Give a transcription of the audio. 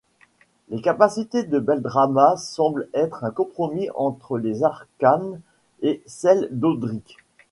Les capacités de Beldramma semblent être un compromis entre celles d'Arkane et celles d'Audric.